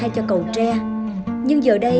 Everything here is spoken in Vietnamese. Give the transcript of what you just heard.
cho cầu tre nhưng giờ đây